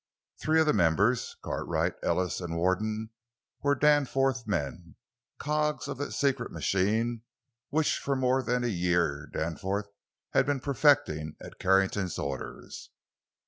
Three of the members—Cartwright, Ellis, and Warden—were Danforth men, cogs of that secret machine which for more than a year Danforth had been perfecting at Carrington's orders.